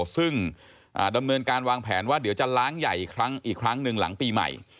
ซึ่งดำเนินการวางแผนว่าเดี๋ยวจะล้างใหญ่ครั้งอีกครั้งหนึ่งหลังปีใหม่